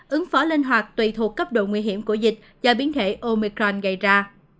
ứng phó linh hoạt tùy thuộc cấp độ nguy hiểm của dịch do biến thể omicron gây ra